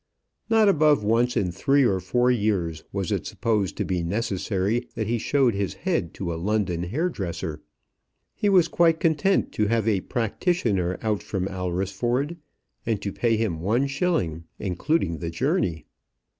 Not above once in three or four years was it supposed to be necessary that he showed his head to a London hairdresser. He was quite content to have a practitioner out from Alresford, and to pay him one shilling, including the journey.